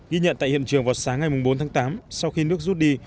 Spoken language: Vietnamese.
ghi nhận tại hiện trường vào sáng ngày bốn tháng tám sau khi nước rút đi